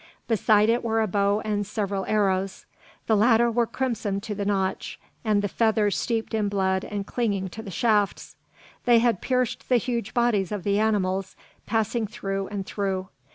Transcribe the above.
Beside it were a bow and several arrows. The latter were crimsoned to the notch, the feathers steeped in blood and clinging to the shafts. They had pierced the huge bodies of the animals, passing through and through.